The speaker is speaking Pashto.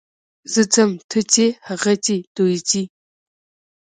زه ځم، ته ځې، هغه ځي، دوی ځي.